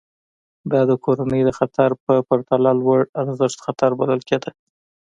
دا د کورنۍ د خطر په پرتله لوړارزښت خطر بلل کېده.